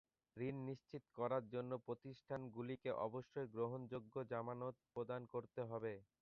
ঋণ নিশ্চিত করার জন্য প্রতিষ্ঠানগুলিকে অবশ্যই গ্রহণযোগ্য জামানত প্রদান করতে হবে।